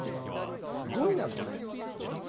やっぱすごいなそれ。